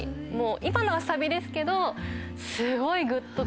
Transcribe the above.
今のはサビですけど。